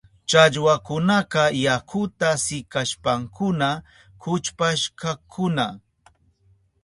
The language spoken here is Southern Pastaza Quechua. Challwakunaka yakuta sikashpankuna kuchpashkakuna.